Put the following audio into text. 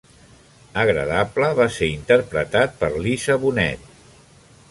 Agradable va ser interpretat per Lisa Bonet.